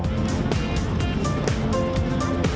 pusat pengelolaan kompleks gelora bung karno